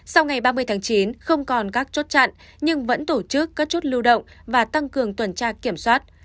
sau ngày ba mươi tháng chín không còn các chốt chặn nhưng vẫn tổ chức các chốt lưu động và tăng cường tuần tra kiểm soát